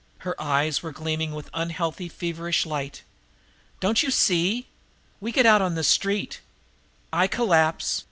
Her eyes were gleaming with an unhealthy, feverish light. "Don't you see? We get out on the street. I collapse there.